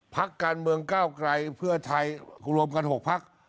ภักรรณ์เมืองก้าวกรัยเพื่อไทยรวมกัน๖ภักรณ์